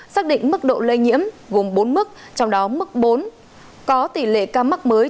xác định mức độ lây nhiễm gồm bốn mức trong đó mức bốn có tỷ lệ ca mắc mới